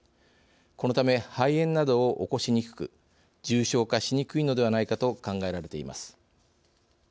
このため肺炎などを起こしにくく重症化しにくいのではないかと考えられています。